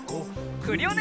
クリオネ！